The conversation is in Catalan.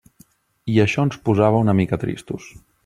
I això ens posava una mica tristos.